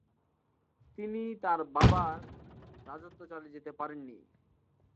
তিনি তাঁর বাবার রাজত্ব চালিয়ে যেতে পারেন নি।